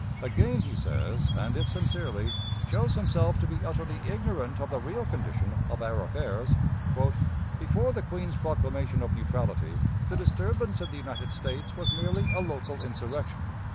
Again he says, and, if sincerely, shows himself to be utterly ignorant of the real condition of our affairs: "Before the Queen's proclamation of neutrality, the disturbance in the United States was merely a local insurrection.